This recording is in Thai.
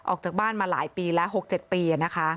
ออกจากบ้านมาหลายปีแล้ว๖๗ปี